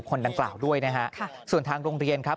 คนดังกล่าวด้วยนะฮะส่วนทางโรงเรียนครับ